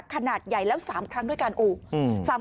ขนาดใหญ่แล้ว๓ครั้งด้วยการอูบ